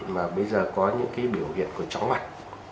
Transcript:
và bây giờ có những biểu hiện của chóng mặt